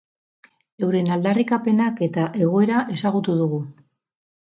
Euren aldarrikapenak eta egoera ezagutu dugu.